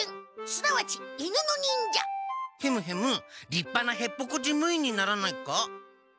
りっぱなヘッポコ事務員にならないか？